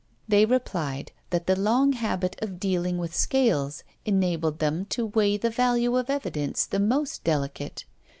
They replied, that the long habit of dealing with scales enabled them to weigh the value of evidence the most delicate.